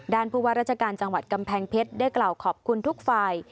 ผู้ว่าราชการจังหวัดกำแพงเพชรได้กล่าวขอบคุณทุกฝ่าย